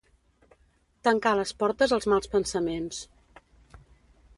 Tancar les portes als mals pensaments.